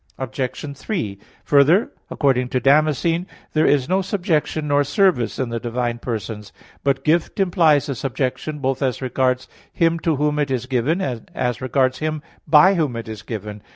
Obj. 3: Further, according to Damascene (De Fide Orth. iv, 19) there is no subjection nor service in the divine persons. But gift implies a subjection both as regards him to whom it is given, and as regards him by whom it is given.